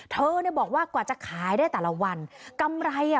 เธอเนี่ยบอกว่ากว่าจะขายได้แต่ละวันกำไรอ่ะ